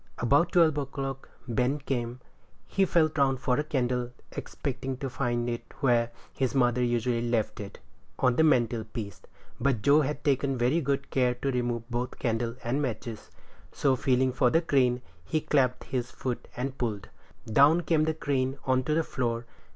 About twelve o'clock Ben came. He felt round for a candle, expecting to find it where his mother usually left it on the mantel piece; but Joe had taken very good care to remove both candle and matches; so, feeling for the crane, he clapped in his foot and pulled; down came the crane on to the floor.